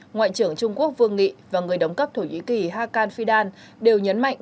ngoại trưởng trung quốc vương nghị và người đóng cấp thổ nhĩ kỳ hakan fidan đều nhấn mạnh